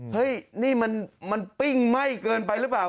เฮ้ยนี่มันปิ้งไหม้เกินไปหรือเปล่า